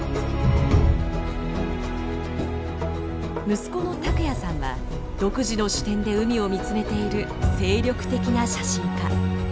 息子の卓哉さんは独自の視点で海を見つめている精力的な写真家。